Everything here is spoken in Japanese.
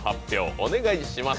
お願いします。